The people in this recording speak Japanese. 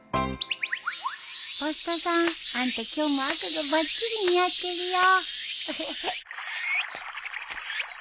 ポストさんあんた今日も赤がばっちり似合ってるよ。